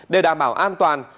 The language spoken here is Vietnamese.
để đảm bảo an toàn